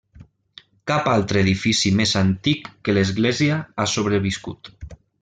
Cap altre edifici més antic que l'església ha sobreviscut.